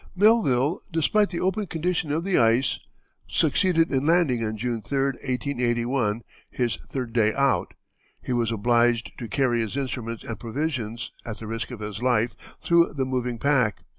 Melville, despite the open condition of the ice, succeeded in landing on June 3, 1881, his third day out. He was obliged to carry his instruments and provisions, at the risk of his life, through the moving pack.